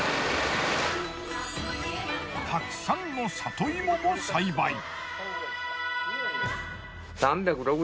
たくさんの里芋も栽培。